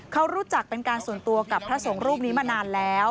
เขารู้จักเป็นการส่วนตัวกับพระสงฆ์รูปนี้มานานแล้ว